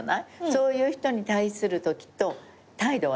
そういう人に対するときと態度は違っちゃうの？